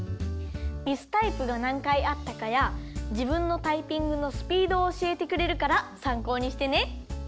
ミスタイプがなんかいあったかやじぶんのタイピングのスピードをおしえてくれるからさんこうにしてね。